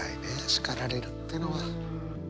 叱られるってのは。